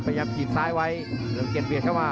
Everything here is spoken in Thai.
พยายามถีกซ้ายไว้และเป็นเกรียดเข้ามา